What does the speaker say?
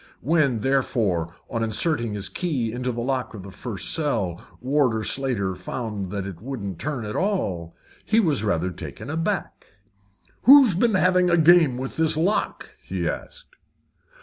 When, therefore, on inserting his key into the lock of the first cell, Warder Slater found that it wouldn't turn at all, he was rather taken aback. "Who's been having a game with this lock?" he asked.